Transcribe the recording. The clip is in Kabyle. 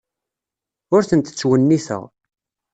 Ur tent-ttwenniteɣ.